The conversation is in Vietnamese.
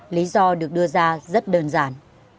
lý do được đưa ra rất đơn giản